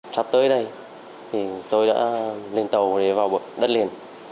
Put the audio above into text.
trắp tới đây tôi đã lên tàu để vào đất liền